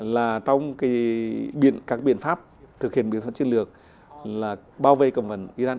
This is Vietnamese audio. là trong các biện pháp thực hiện biện pháp chiến lược là bao vây cầm vấn iran